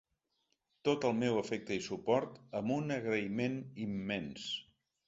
Tot el meu afecte i suport, amb un agraïment immens!